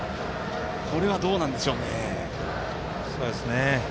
これはどうなんでしょうね。